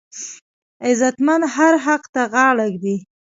غیرتمند هر حق ته غاړه ږدي